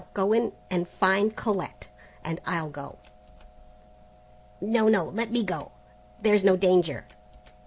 Go in and find Colette, and I'll go." "No, no, let me go, there's no danger."